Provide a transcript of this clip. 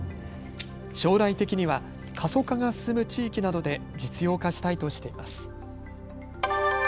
将来的には過疎化が進む地域などで実用化したいとしています。